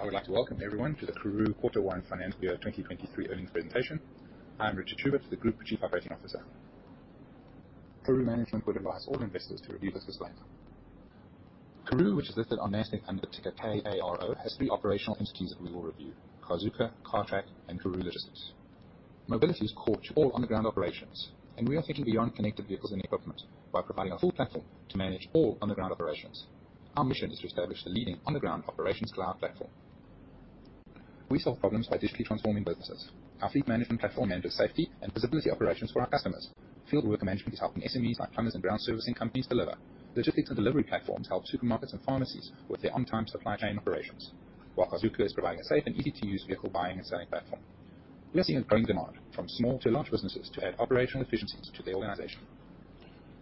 I would like to welcome everyone to the Karooooo quarter one financial year 2023 earnings presentation. I am Richard Schubert, the Chief Operating Officer. Karooooo management would advise all investors to review this slide. Karooooo, which is listed on Nasdaq under ticker KARO, has three operational entities that we will review: Carzuka, Cartrack, and Karooooo Logistics. Mobility is core to all on-the-ground operations, and we are thinking beyond connected vehicles and equipment by providing a full platform to manage all on-the-ground operations. Our mission is to establish the leading on-the-ground operations cloud platform. We solve problems by digitally transforming businesses. Our fleet management platform manages safety and visibility operations for our customers. Field worker management is helping SMEs like plumbers and ground servicing companies deliver. Logistics and delivery platforms help supermarkets and pharmacies with their on-time supply chain operations, while Carzuka is providing a safe and easy-to-use vehicle buying and selling platform. We are seeing a growing demand from small to large businesses to add operational efficiencies to their organization.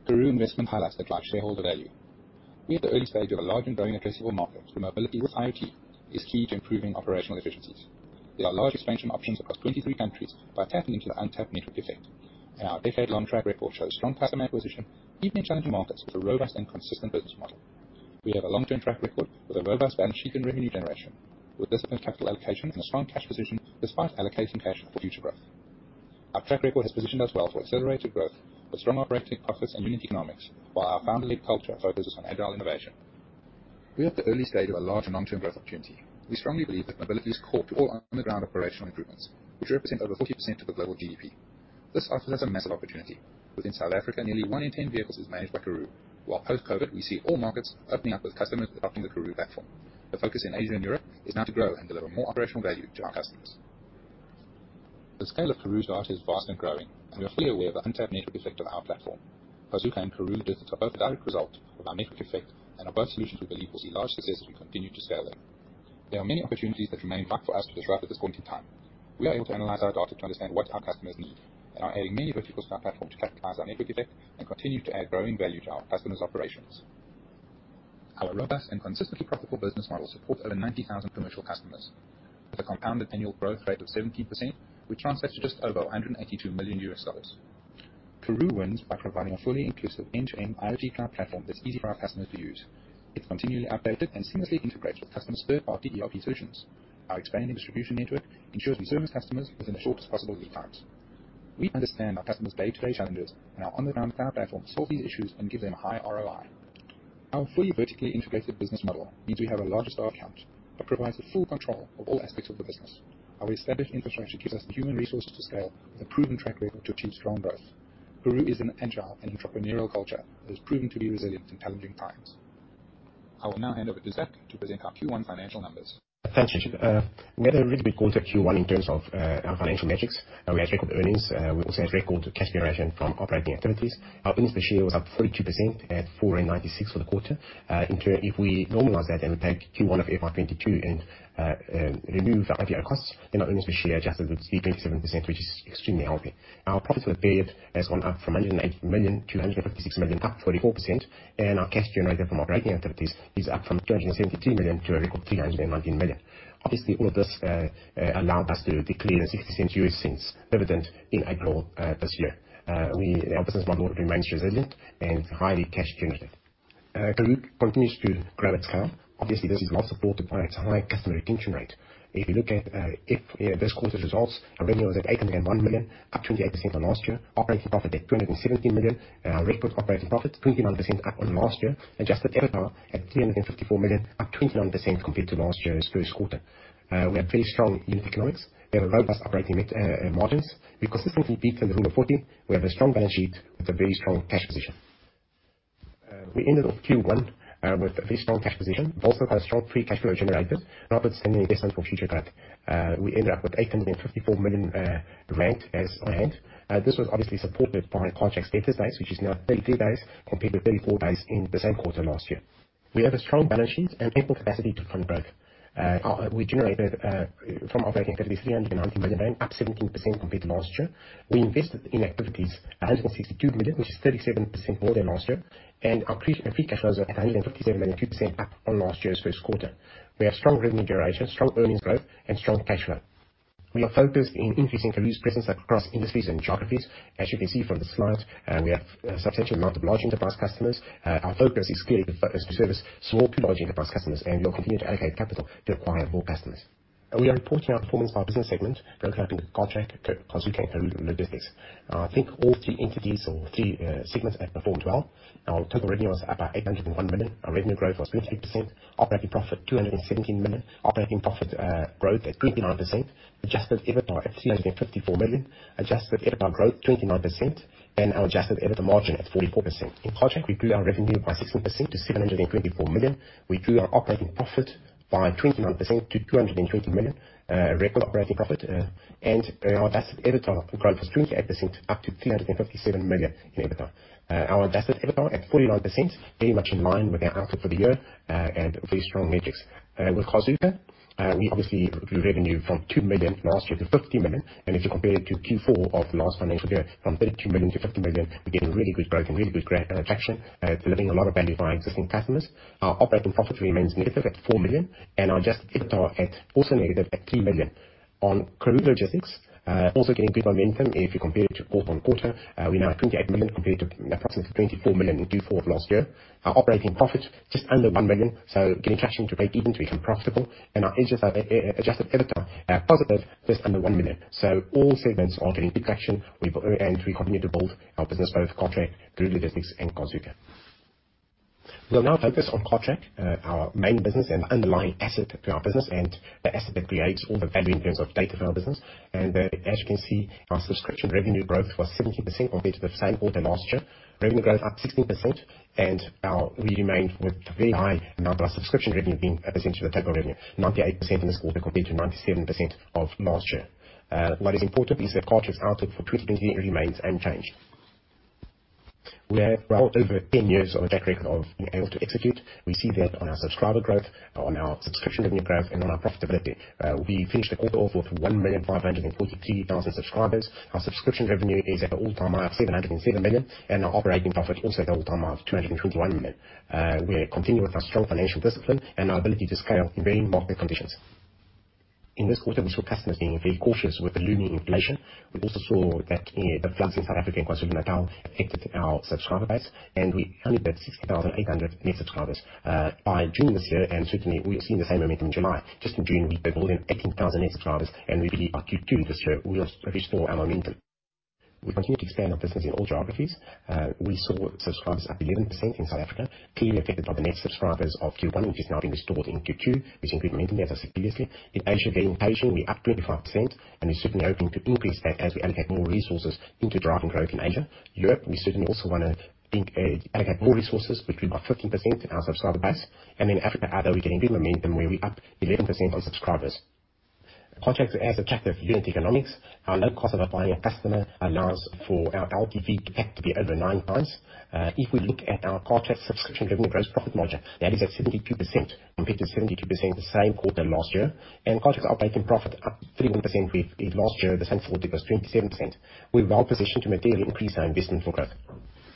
Karooooo investment highlights that drive shareholder value. We are at the early stage of a large and growing addressable market where mobility with IoT is key to improving operational efficiencies. There are large expansion options across 23 countries by tapping into the untapped network effect, and our decade-long track record shows strong customer acquisition, even in challenging markets with a robust and consistent business model. We have a long-term track record with a robust balance sheet and revenue generation, with disciplined capital allocation and a strong cash position despite allocating cash for future growth. Our track record has positioned us well for accelerated growth with strong operating profits and unit economics, while our founder-led culture focuses on agile innovation. We are at the early stage of a large long-term growth opportunity. We strongly believe that mobility is core to all on-the-ground operational improvements, which represent over 40% of the global GDP. This offers us a massive opportunity. Within South Africa, nearly one in 10 vehicles is managed by Karooooo, while post-COVID, we see all markets opening up with customers adopting the Karooooo platform. The focus in Asia and Europe is now to grow and deliver more operational value to our customers. The scale of Karooooo's data is vast and growing, and we are fully aware of the untapped network effect of our platform. Carzuka and Karooooo Logistics are both a direct result of our network effect and are both solutions we believe will see large success as we continue to scale them. There are many opportunities that remain ripe for us to disrupt at this point in time. We are able to analyze our data to understand what our customers need and are adding many verticals to our platform to capitalize on our network effect and continue to add growing value to our customers' operations. Our robust and consistently profitable business model supports over 90,000 commercial customers with a compounded annual growth rate of 17%, which translates to just over $182 million. Karooooo wins by providing a fully inclusive end-to-end IoT cloud platform that's easy for our customers to use. It's continually updated and seamlessly integrates with customers' third-party ERP solutions. Our expanding distribution network ensures we service customers within the shortest possible lead times. We understand our customers day-to-day challenges, and our on-the-ground cloud platform solves these issues and gives them a high ROI. Our fully vertically integrated business model means we have a larger strategic advantage that provides the full control of all aspects of the business. Our established infrastructure gives us the human resources to scale with a proven track record to achieve strong growth. Karooooo is an agile and entrepreneurial culture that has proven to be resilient in challenging times. I will now hand over to Zak to present our Q1 financial numbers. Thanks, Richard. We had a really good quarter at Q1 in terms of our financial metrics. We had record earnings. We also had record cash generation from operating activities. Our earnings per share was up 42% at 4.96 for the quarter. If we normalize that and we take Q1 of FY 2022 and remove the IPO costs, then our earnings per share adjusted would be 27%, which is extremely healthy. Our profits for the period has gone up from 180 million-156 million, up 44%, and our cash generated from operating activities is up from 272 million to a record 319 million. Obviously, all of this allowed us to declare a $0.60 dividend in April this year. Our business model remains resilient and highly cash generative. Karooooo continues to grow at scale. Obviously, this is largely supported by its high customer retention rate. If you look at, you know, this quarter's results, our revenue was at 801 million, up 28% on last year. Operating profit at 217 million. Record operating profit, 29% up on last year. Adjusted EBITDA at 354 million, up 29% compared to last year's first quarter. We have very strong unit economics. We have a robust operating margins. We've consistently been in the 140. We have a strong balance sheet with a very strong cash position. We ended off Q1 with a very strong cash position. We've also got a strong free cash flow generation, and that puts us in a good position for future growth. We ended up with 854 million cash on hand. This was obviously supported by Cartrack's debtors days, which is now 32 days compared with 34 days in the same quarter last year. We have a strong balance sheet and ample capacity to fund growth. We generated from operating activities 319 million rand, up 17% compared to last year. We invested in investing activities 162 million, which is 37% more than last year. Our free cash flows at 157 million, 2% up on last year's first quarter. We have strong revenue generation, strong earnings growth, and strong cash flow. We are focused in increasing Karooooo's presence across industries and geographies. As you can see from the slides, we have a substantial amount of large enterprise customers. Our focus is clearly to service small to large enterprise customers, and we'll continue to allocate capital to acquire more customers. We are reporting our performance by business segment, broken up into Cartrack, Carzuka, and Karooooo Logistics. I think all three entities or three segments have performed well. Our total revenue was up by 801 million. Our revenue growth was 23%. Operating profit, 217 million. Operating profit growth at 29%. Adjusted EBITDA at 354 million. Adjusted EBITDA growth, 29%. Our adjusted EBITDA margin at 44%. In Cartrack, we grew our revenue by 16% to 724 million. We grew our operating profit by 29% to 220 million, record operating profit. Our adjusted EBITDA growth was 28% up to 357 million in EBITDA. Our adjusted EBITDA at 49%, very much in line with our outlook for the year, and very strong metrics. With Carzuka, we obviously grew revenue from 2 million last year to 50 million. If you compare it to Q4 of last financial year, from 32 million-50 million, again, really good growth and really good traction, delivering a lot of value to our existing customers. Our operating profit remains negative at 4 million, and our adjusted EBITDA also negative at 3 million. On Karooooo Logistics, also gaining good momentum. If you compare it to quarter-on-quarter, we're now at 28 million compared to approximately 24 million in Q4 of last year. Our operating profit, just under 1 million, getting closer to break even to become profitable. Our adjusted EBITDA positive, just under 1 million. All segments are gaining good traction. We continue to build our business, both Cartrack, Karooooo Logistics, and Carzuka. We'll now focus on Cartrack, our main business and underlying asset to our business and the asset that creates all the value in terms of data for our business. As you can see, our subscription revenue growth was 70% compared to the same quarter last year. Revenue growth up 16%, and our. We remained with very high amount of our subscription revenue being a percentage of the total revenue, 98% in this quarter compared to 97% of last year. What is important is that Cartrack's outlook for 2023 remains unchanged. We have well over 10 years of a track record of being able to execute. We see that on our subscriber growth, on our subscription revenue growth, and on our profitability. We finished the quarter off with 1,543,000 subscribers. Our subscription revenue is at an all-time high of 707 million, and our operating profit also at an all-time high of 221 million. We're continuing with our strong financial discipline and our ability to scale in varying market conditions. In this quarter, we saw customers being very cautious with the looming inflation. We also saw that, the floods in South Africa in KwaZulu-Natal affected our subscriber base, and we added 60,800 net subscribers, by June this year, and certainly we are seeing the same momentum in July. Just in June, we had more than 18,000 net subscribers, and we believe by Q2 this year we'll restore our momentum. We continue to expand our business in all geographies. We saw subscribers up 11% in South Africa, clearly affected by the net subscribers of Q1, which has now been restored in Q2, which is good momentum, as I said previously. In Asia, very encouraging, we're up 25%, and we're certainly hoping to increase that as we allocate more resources into driving growth in Asia. Europe, we certainly also wanna allocate more resources, which we're up 13% in our subscriber base. In Africa, although we're getting good momentum where we're up 11% on subscribers. Cartrack has attractive unit economics. Our low cost of acquiring a customer allows for our LTV to ACV to be over 9x. If we look at our Cartrack subscription revenue gross profit margin, that is at 72% compared to 72% the same quarter last year. Cartrack's operating profit up 31% with last year, the same quarter was 27%. We're well positioned to materially increase our investment for growth.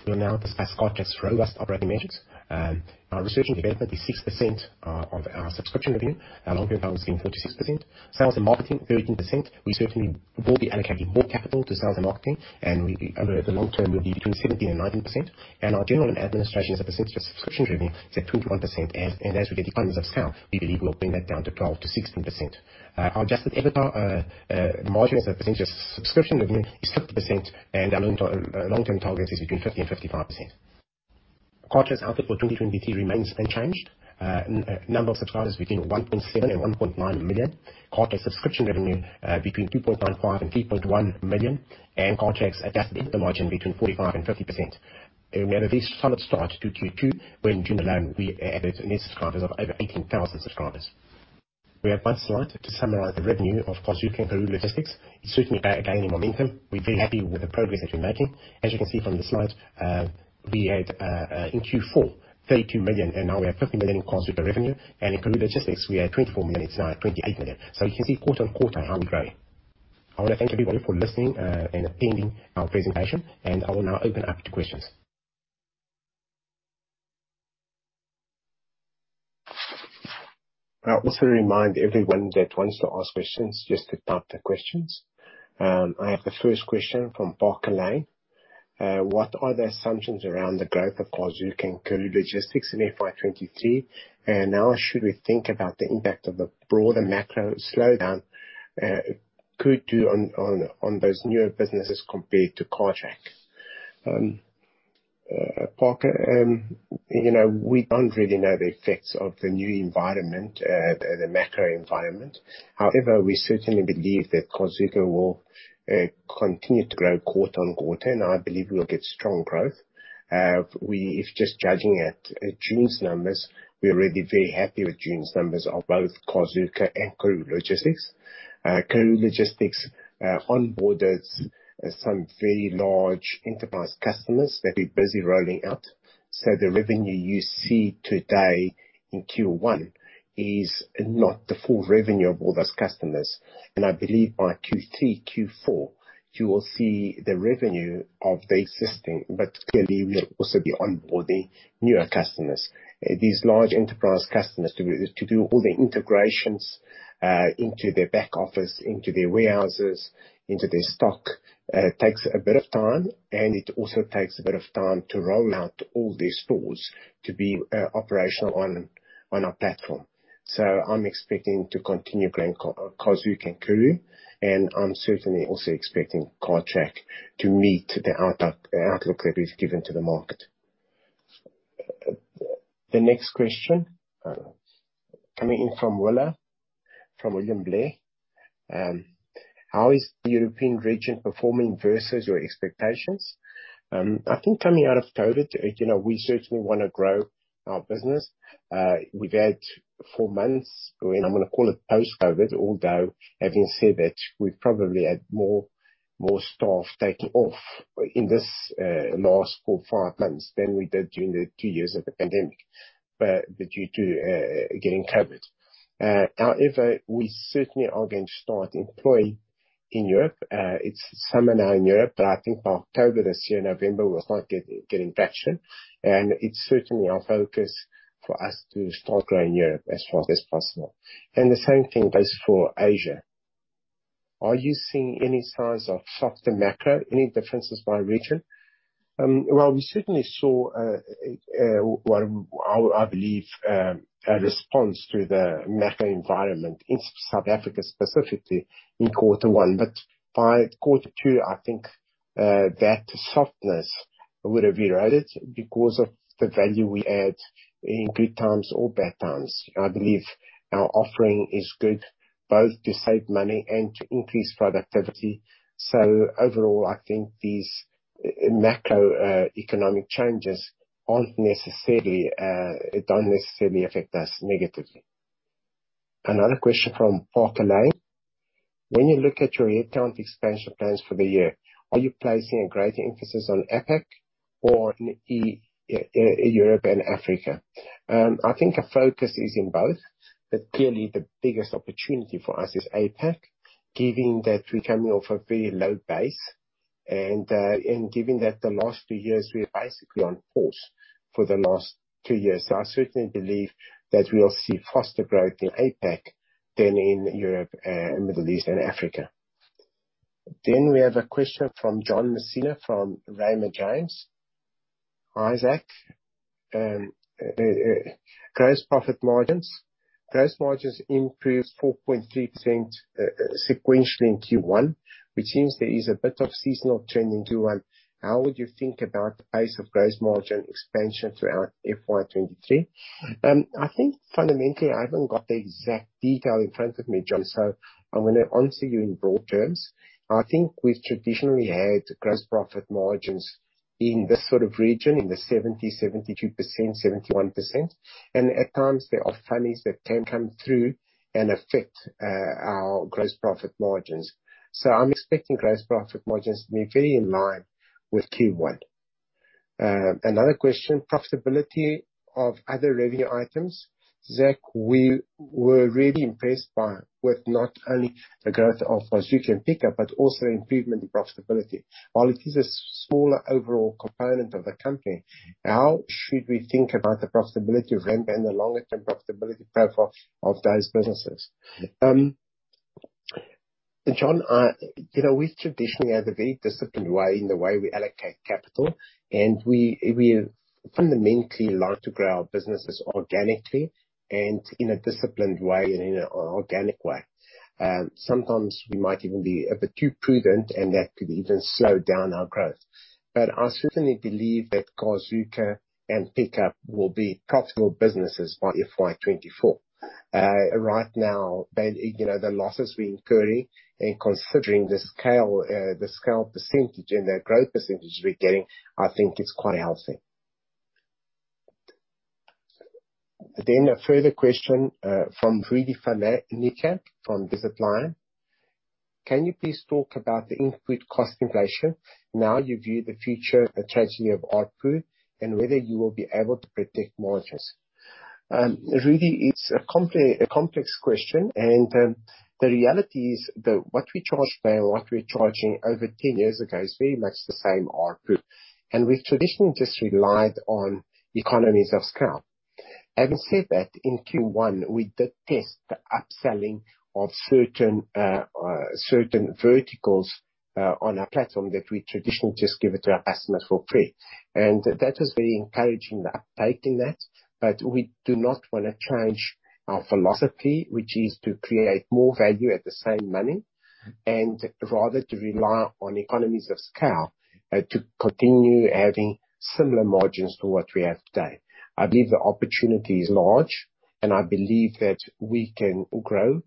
We'll now discuss Cartrack's robust operating metrics. Our research and development is 6% of our subscription revenue. Our long-term goal is between 4%-6%. Sales and marketing, 13%. We certainly will be allocating more capital to sales and marketing, and we over the long-term will be between 17% and 19%. Our general and administrative as a percentage of subscription revenue is at 21%, and as we get economies of scale, we believe we'll bring that down to 12%-16%. Our adjusted EBITDA margin as a percentage of subscription revenue is 60%, and our long-term target is between 50% and 55%. Cartrack's outlook for 2023 remains unchanged. Number of subscribers between 1.7 million and 1.9 million. Cartrack's subscription revenue between 2.95 million and 3.1 million. Cartrack's adjusted EBITDA margin between 45% and 50%. We had a very solid start to Q2, where in June alone, we added net subscribers of over 18,000 subscribers. We have one slide to summarize the revenue of Carzuka and Karooooo Logistics. It's certainly gaining momentum. We're very happy with the progress that we're making. As you can see from the slide, we had in Q4 32 million, and now we have 50 million in Carzuka revenue. In Karooooo Logistics we had 24 million, it's now at 28 million. You can see quarter-over-quarter how we're growing. I wanna thank everybody for listening, and attending our presentation, and I will now open up to questions. I also remind everyone that wants to ask questions just to type the questions. I have the first question from J. Parker Lane. What are the assumptions around the growth of Carzuka and Karooooo Logistics in FY 2023? How should we think about the impact of the broader macro slowdown could do on those newer businesses compared to Cartrack? Parker, you know, we don't really know the effects of the new environment, the macro environment. However, we certainly believe that Carzuka will continue to grow quarter on quarter, and I believe we will get strong growth. If just judging at June's numbers, we're really very happy with June's numbers of both Carzuka and Karooooo Logistics. Karooooo Logistics onboarded some very large enterprise customers they've been busy rolling out. So the revenue you see today in Q1 is not the full revenue of all those customers. I believe by Q3, Q4, you will see the revenue of the existing, but clearly we will also be onboarding newer customers. These large enterprise customers to do all the integrations into their back office, into their warehouses, into their stock takes a bit of time, and it also takes a bit of time to roll out all their stores to be operational on our platform. I'm expecting to continue growing Carzuka and Karooooo, and I'm certainly also expecting Cartrack to meet the outlook that we've given to the market. The next question coming in from Willa, from William Blair. How is the European region performing versus your expectations? I think coming out of COVID, you know, we certainly wanna grow our business. We've had four months, when I'm gonna call it post-COVID, although, having said that, we've probably had more staff taking off in this last 4-5 months than we did during the two years of the pandemic due to getting COVID. However, we certainly are going to start employing in Europe. It's summer now in Europe, but I think by October this year, November, we'll start getting traction. It's certainly our focus for us to start growing Europe as fast as possible. The same thing goes for Asia. Are you seeing any signs of softer macro, any differences by region? Well, we certainly saw what I believe a response to the macro environment in South Africa, specifically in quarter one. By quarter two, I think that softness would have eroded because of the value we add in good times or bad times. I believe our offering is good both to save money and to increase productivity. Overall, I think these macroeconomic changes don't necessarily affect us negatively. Another question from Parker Lane: When you look at your headcount expansion plans for the year, are you placing a greater emphasis on APAC or in Europe and Africa? I think our focus is in both, but clearly the biggest opportunity for us is APAC, given that we're coming off a very low base and given that the last two years we were basically on pause. I certainly believe that we will see faster growth in APAC than in Europe and Middle East and Africa. We have a question from John Messina from Raymond James. Zak, gross profit margins. Gross margins improved 4.3%, sequentially in Q1, which means there is a bit of seasonal trend in Q1. How would you think about the pace of gross margin expansion throughout FY 2023? I think fundamentally, I haven't got the exact detail in front of me, John, so I'm gonna answer you in broad terms. I think we've traditionally had gross profit margins in this sort of region, in the 70%, 72%, 71%, and at times there are funnies that can come through and affect our gross profit margins. I'm expecting gross profit margins to be very in line with Q1. Another question. Profitability of other revenue items. Zak, we were really impressed with not only the growth of Carzuka and Pikkup, but also the improvement in profitability. While it is a smaller overall component of the company, how should we think about the profitability of them and the longer-term profitability profile of those businesses? John, you know, we've traditionally had a very disciplined way in the way we allocate capital, and we fundamentally like to grow our businesses organically and in a disciplined way and in an organic way. Sometimes we might even be a bit too prudent, and that could even slow down our growth. I certainly believe that Carzuka and Pikkup will be profitable businesses by FY 2024. Right now, the losses we're incurring and considering the scale percentage and the growth percentage we're getting, I think it's quite healthy. A further question from Rudy van Ryn from Discipline. Can you please talk about the input cost inflation, how you view the future trajectory of output, and whether you will be able to protect margins? Rudy, it's a complex question, and the reality is that what we charged then and what we're charging over 10 years ago is very much the same output, and we've traditionally just relied on economies of scale. Having said that, in Q1 we did test the upselling of certain verticals on our platform that we traditionally just give it to our customers for free. That was very encouraging, the uptake in that. We do not wanna change our philosophy, which is to create more value at the same money, and rather to rely on economies of scale, to continue having similar margins to what we have today. I believe the opportunity is large, and I believe that we can grow,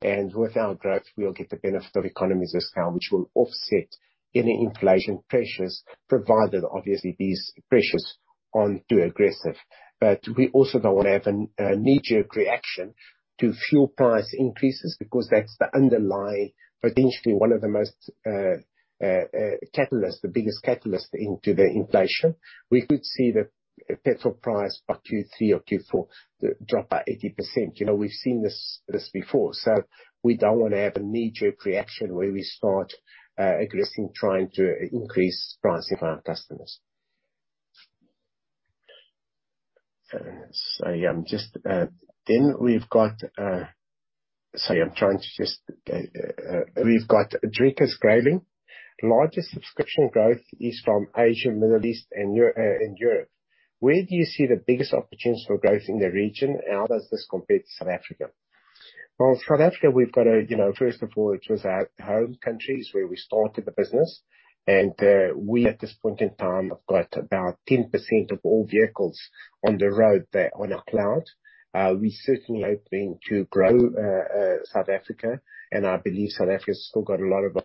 and with our growth we'll get the benefit of economies of scale, which will offset any inflation pressures, provided obviously these pressures aren't too aggressive. We also don't wanna have a knee-jerk reaction to fuel price increases because that's the underlying, potentially one of the most catalyst, the biggest catalyst into the inflation. We could see the petrol price by Q3 or Q4 drop by 80%. You know, we've seen this before. We don't wanna have a knee-jerk reaction where we start aggressively trying to increase pricing for our customers. We've got Lucas Grayling. Largest subscription growth is from Asia, Middle East, and Europe. Where do you see the biggest potential growth in the region? How does this compare to South Africa? Well, South Africa, we've got a, you know, first of all it was our home countries where we started the business and, we at this point in time have got about 10% of all vehicles on the road that are on our cloud. We certainly hoping to grow South Africa, and I believe South Africa has still got a lot of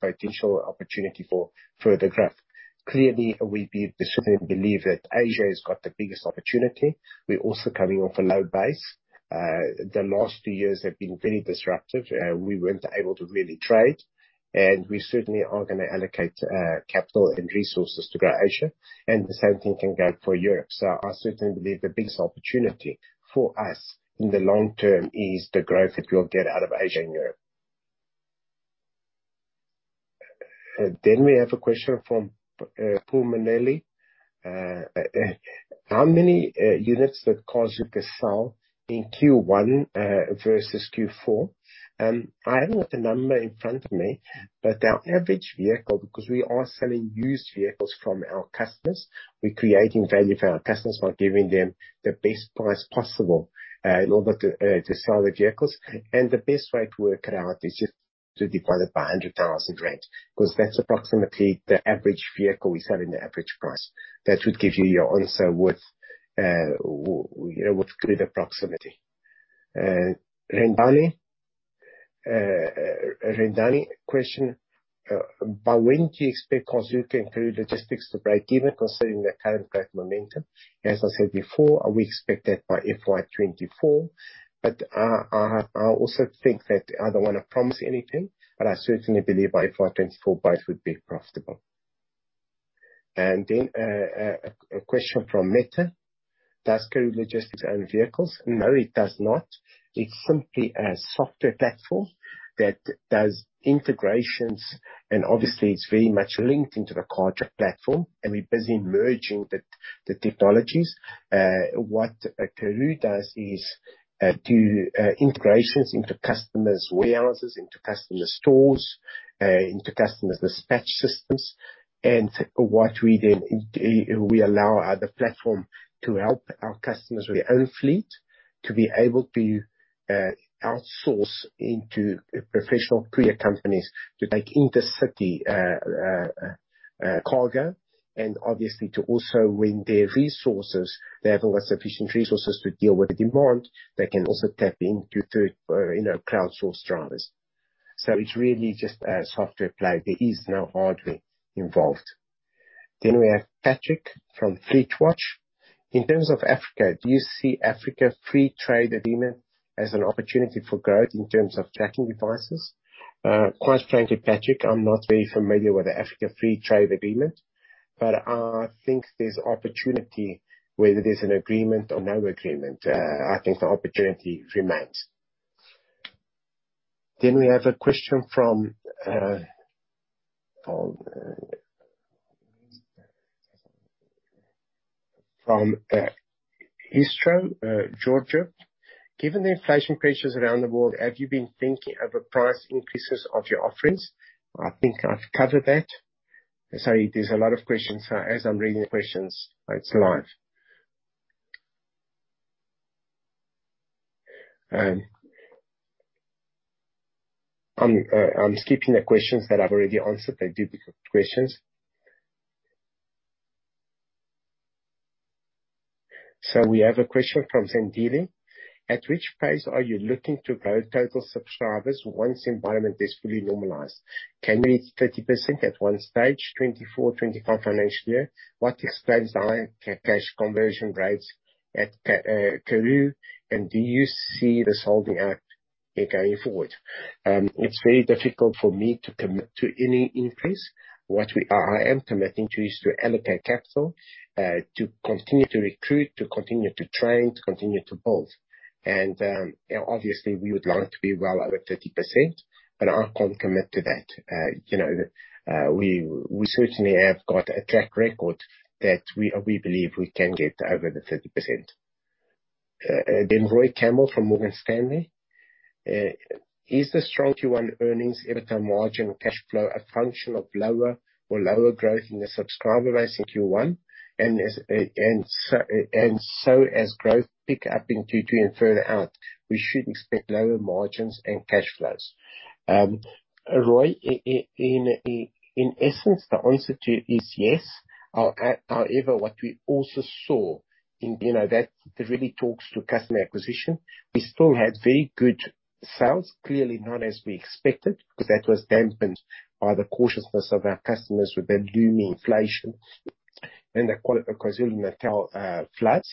potential opportunity for further growth. Clearly, we certainly believe that Asia has got the biggest opportunity. We're also coming off a low base. The last two years have been very disruptive. We weren't able to really trade, and we certainly are gonna allocate capital and resources to grow Asia, and the same thing can go for Europe. I certainly believe the biggest opportunity for us in the long-term is the growth that we'll get out of Asia and Europe. We have a question from Paul Bieber. How many units did Carzuka sell in Q1 versus Q4? I haven't got the number in front of me, but our average vehicle, because we are selling used vehicles from our customers, we're creating value for our customers by giving them the best price possible in order to sell the vehicles. The best way to work it out is just to divide it by 100,000, 'cause that's approximately the average vehicle we sell in the average price. That should give you your answer with good proximity. Rendani? Rendani question. By when do you expect Carzuka and Karooooo Logistics to break even considering the current growth momentum? As I said before, we expect that by FY 2024. I also think that I don't wanna promise anything, but I certainly believe by FY 2024 both would be profitable. A question from Meta. Does Karooooo Logistics own vehicles? No, it does not. It's simply a software platform that does integrations, and obviously it's very much linked into the Cartrack platform, and we're busy merging the technologies. What Karooooo does is do integrations into customers' warehouses, into customers' stores, into customers' dispatch systems. We allow the platform to help our customers with their own fleet to be able to outsource into professional courier companies to take intercity cargo. Obviously to also, they have always sufficient resources to deal with the demand, they can also tap into third par- you know, crowdsourced drivers. It's really just a software play. There is no hardware involved. We have Patrick from FleetWatch. In terms of Africa, do you see African free trade agreement as an opportunity for growth in terms of tracking devices? Quite frankly, Patrick, I'm not very familiar with the African free trade agreement, but I think there's opportunity whether there's an agreement or no agreement. I think the opportunity remains. We have a question from Istro Georgia. Given the inflation pressures around the world, have you been thinking of a price increases of your offerings? I think I've covered that. Sorry, there's a lot of questions. As I'm reading the questions, it's live. I'm skipping the questions that I've already answered. They're duplicate questions. We have a question from Zandile. At which phase are you looking to grow total subscribers once environment is fully normalized? Can we reach 30% at one stage, 2024, 2025 financial year? What explains high cash conversion rates at Karooooo? And do you see this holding up going forward? It's very difficult for me to commit to any increase. I am committing to is to allocate capital to continue to recruit, to continue to train, to continue to build. You know, obviously we would like to be well over 30%, but I can't commit to that. You know, we certainly have got a track record that we believe we can get over the 30%. Then Roy Campbell from Morgan Stanley. Is the strong Q1 earnings, EBITDA margin, cash flow a function of lower growth in the subscriber base in Q1? As growth picks up in Q2 and further out, we should expect lower margins and cash flows. Roy, in essence, the answer is yes. However, what we also saw in, you know, that really talks to customer acquisition. We still had very good sales, clearly not as we expected, because that was dampened by the cautiousness of our customers with the looming inflation and the KwaZulu-Natal floods.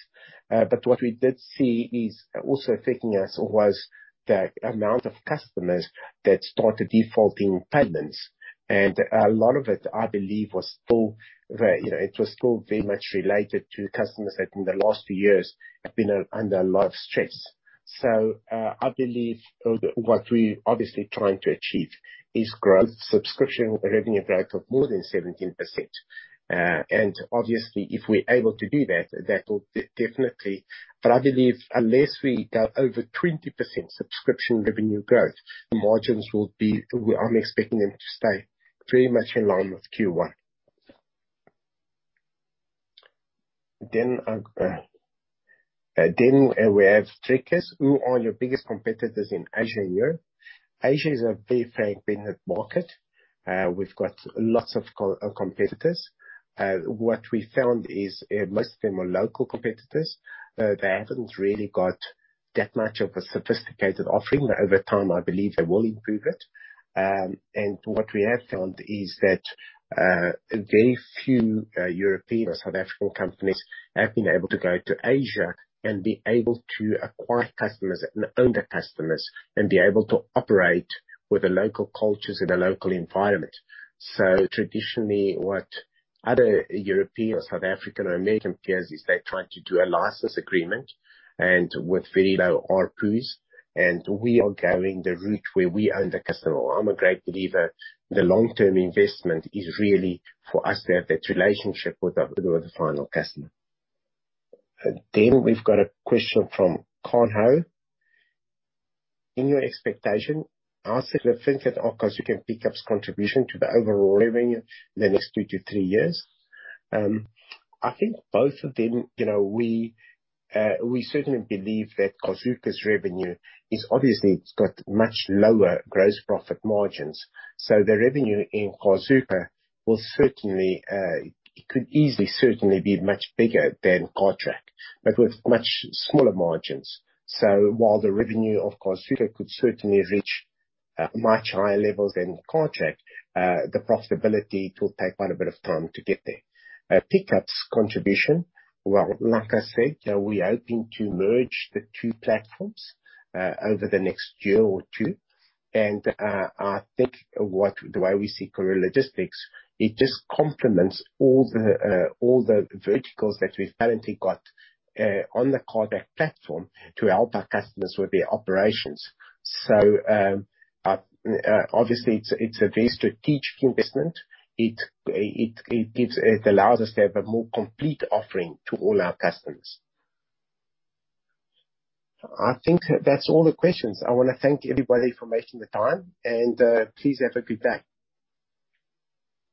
What we did see is also affecting us was the amount of customers that started defaulting payments. A lot of it, I believe, was still very, you know, it was still very much related to customers that in the last two years have been under a lot of stress. I believe what we're obviously trying to achieve is growth subscription revenue growth of more than 17%. Obviously, if we're able to do that will definitely. I believe unless we go over 20% subscription revenue growth, the margins will be. We are only expecting them to stay very much in line with Q1. We have Trickers. Who are your biggest competitors in Asia and Europe? Asia is a very fragmented market. We've got lots of competitors. What we found is, most of them are local competitors. They haven't really got that much of a sophisticated offering. Over time, I believe they will improve it. What we have found is that very few European or South African companies have been able to go to Asia and been able to acquire customers and own their customers, and be able to operate with the local cultures in a local environment. Traditionally, what other European or South African or American peers is they try to do a license agreement and with very low ARPU. We are going the route where we own the customer. I'm a great believer that the long-term investment is really for us to have that relationship with the final customer. We've got a question from Konho. In your expectation, how significant are Carzuka and Pikkup's contribution to the overall revenue in the next 2-3 years? I think both of them, you know, we certainly believe that Carzuka's revenue is obviously, it's got much lower gross profit margins. So the revenue in Carzuka will certainly be much bigger than Cartrack, but with much smaller margins. So while the revenue of Carzuka could certainly reach much higher levels than Cartrack, the profitability, it will take quite a bit of time to get there. Pikkup's contribution. Well, like I said, we're hoping to merge the two platforms over the next year or two. I think the way we see Karooooo Logistics, it just complements all the verticals that we've currently got on the Cartrack platform to help our customers with their operations. Obviously it's a very strategic investment. It allows us to have a more complete offering to all our customers. I think that's all the questions. I wanna thank everybody for making the time and please have a good day.